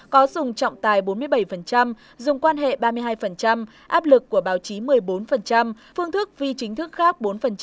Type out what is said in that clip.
có dùng trọng tài bốn mươi bảy dùng quan hệ ba mươi hai áp lực của báo chí một mươi bốn phương thức phi chính thức khác bốn